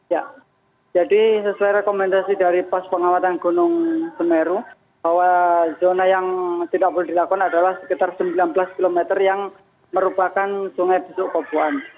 ya jadi sesuai rekomendasi dari pos pengawatan gunung semeru bahwa zona yang tidak boleh dilakukan adalah sekitar sembilan belas km yang merupakan sungai besuk kobuan